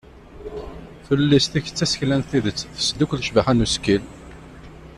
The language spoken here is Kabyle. Tullist-ik d tasekla n tidet tesdukel ccbaḥa n usekkil.